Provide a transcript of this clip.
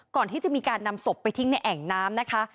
ก่อนที่จะมีการนำศพไปทิ้งในแอ่งน้ำนะคะ